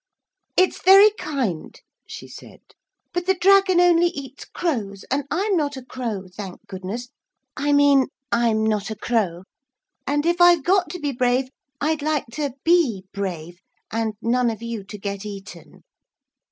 'It's very kind,' she said, 'but the dragon only eats crows, and I'm not a crow, thank goodness I mean I'm not a crow and if I've got to be brave I'd like to be brave, and none of you to get eaten.